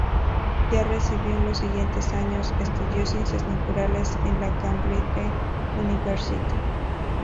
Ya recibido, en los siguientes años, estudió Ciencias naturales en la Cambridge University.